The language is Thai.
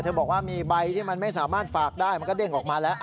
บอกว่ามีใบที่มันไม่สามารถฝากได้มันก็เด้งออกมาแล้ว